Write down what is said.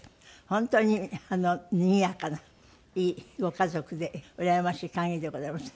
本当ににぎやかないいご家族でうらやましい限りでございます。